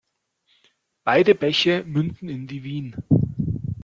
Beide Bäche münden in die Wien.